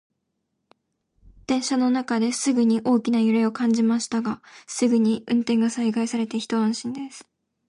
電車の中で急に大きな揺れを感じましたが、すぐに運転が再開されて一安心です。